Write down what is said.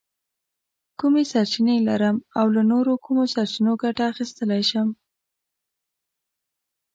کومې سرچینې لرم او له نورو کومو سرچینو ګټه اخیستلی شم؟